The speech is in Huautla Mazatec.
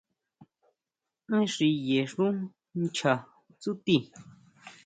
Én xiye xu ncha tsúti.